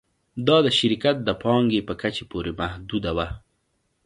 دا د شرکت د پانګې په کچې پورې محدوده وه